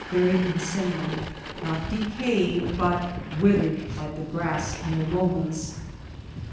buried in sand, not decayed, but withered like the grass on the lomas.